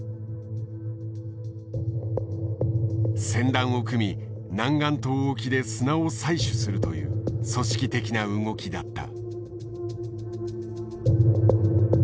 船団を組み南竿島沖で砂を採取するという組織的な動きだった。